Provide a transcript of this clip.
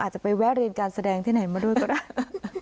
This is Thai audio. จะไปแวะเรียนการแสดงที่ไหนมาด้วยก็ได้